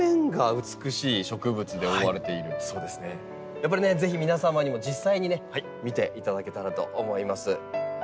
やっぱりねぜひ皆様にも実際にね見ていただけたらと思います。